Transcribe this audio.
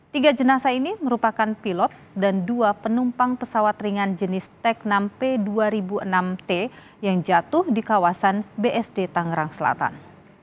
tiga jenazah ini merupakan pilot dan dua penumpang pesawat ringan jenis tek enam p dua ribu enam t yang jatuh di kawasan bsd tangerang selatan